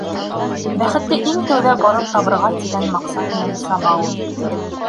Бәхетте иң тәүҙә барып табырға тигән маҡсат менән саба ул.